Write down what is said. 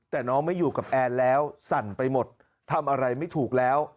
แต่น้องไม่อยู่กับแอนแล้วสั่นไปหมดทำอะไรไม่ถูกแล้ว